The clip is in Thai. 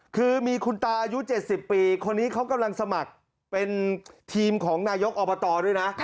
คือมีคุณตาอายุ๗๐ปีคนนี้เขากำลังสมัครเป็นทีมของนายกอบตด้วยนะ